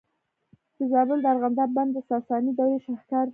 د زابل د ارغنداب بند د ساساني دورې شاهکار دی